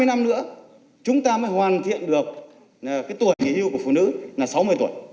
hai mươi năm nữa chúng ta mới hoàn thiện được tuổi nghỉ hưu của phụ nữ là sáu mươi tuổi